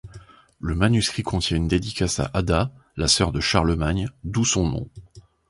Le manuscrit contient une dédicace à Ada, la sœur de Charlemagne, d'où son nom.